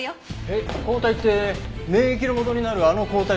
えっ抗体って免疫の元になるあの抗体ですか？